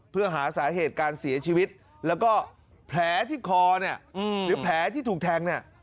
เพื่อหาสาเหตุการณ์เสียชีวิตแล้วก็แผลที่คอหรือแผลที่ถูกแทง